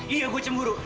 iya gue cemburu